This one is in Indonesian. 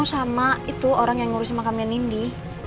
sama itu orang yang ngurusin makamnya nindi